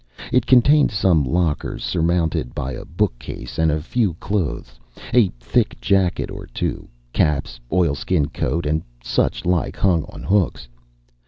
It contained some lockers surmounted by a bookcase; and a few clothes, a thick jacket or two, caps, oilskin coat, and such like, hung on hooks.